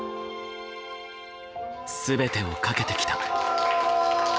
全てを懸けてきた。